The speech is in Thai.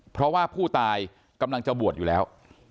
เพราะว่าผู้ตายกำลังจะบวชอยู่แล้ว